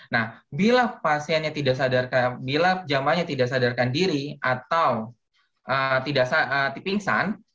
nah bila jemaahnya tidak sadarkan diri atau tidak dipingsan